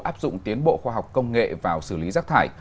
áp dụng tiến bộ khoa học công nghệ vào xử lý rác thải